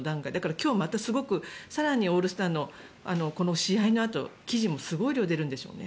今日またすごく更にオールスターのこの試合のあと記事もすごい量が出るんでしょうね。